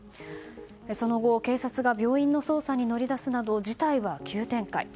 その後、警察が病院の捜査に乗り出すなど、事態は急展開。